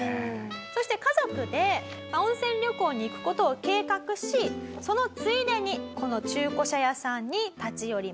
そして家族で温泉旅行に行く事を計画しそのついでにこの中古車屋さんに立ち寄ります。